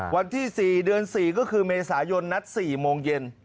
วันที่๔เดือน๔ก็คือเมษายนนัด๔โมงเย็น